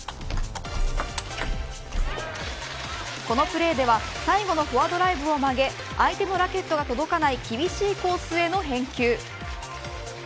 このプレーでは最後のフォアドライブを曲げ相手のラケットが届かない厳しいコースへの返球。